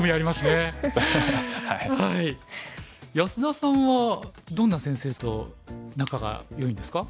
安田さんはどんな先生と仲がよいんですか？